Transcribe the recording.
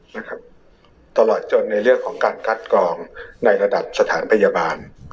นะครับตลอดจนในเรื่องของการคัดกรองในระดับสถานพยาบาล